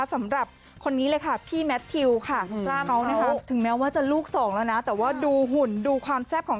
สำหรับคนนี้เลยค่ะพี่แมททิวค่ะ